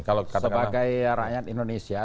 kalau kata pak herman sebagai rakyat indonesia